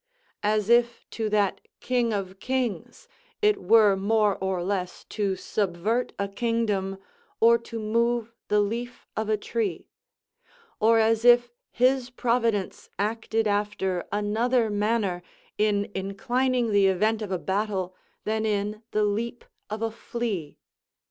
As if to that King of kings it were more or less to subvert a kingdom, or to move the leaf of a tree; or as if his providence acted after another manner in inclining the event of a battle than in the leap of a flea.